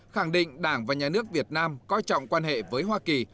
khẳng định đảng và nhà nước việt nam coi trọng quan hệ với hoa kỳ